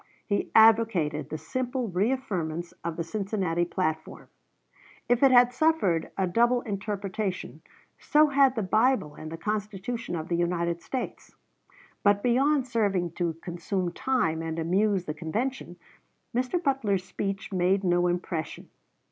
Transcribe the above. He advocated the simple reaffirmance of the Cincinnati platform. If it had suffered a double interpretation, so had the Bible and the Constitution of the United States. But beyond serving to consume time and amuse the convention, Mr. Butler's speech made no impression.